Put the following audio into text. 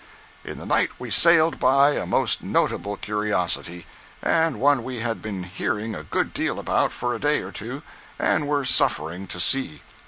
In the night we sailed by a most notable curiosity, and one we had been hearing a good deal about for a day or two, and were suffering to see.